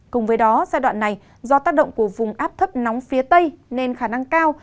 cùng với đó giai đoạn này do tác động của vùng áp thấp nóng phía tây nên khả năng cao